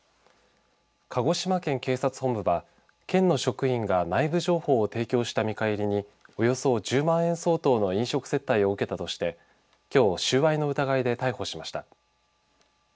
鹿児島県警察本部は県の職員が内部情報を提供した見返りに、およそ１０万円相当の飲食接待を受けたとしてきょう収賄の疑いで逮捕しました。